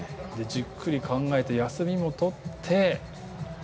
じっくり考えて休みもとって。